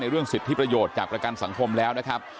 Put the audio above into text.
เรื่องสิทธิประโยชน์จากประกันสังคมแล้วนะครับ